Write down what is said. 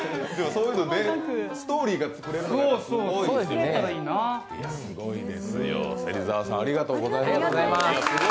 そういうストーリーが作れるの、すごいですよね。